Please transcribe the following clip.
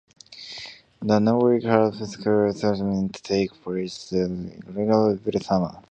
The Norway Cup soccer tournament takes place at Ekebergsletta every summer.